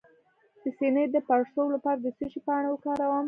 د سینې د پړسوب لپاره د څه شي پاڼې وکاروم؟